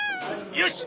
よし！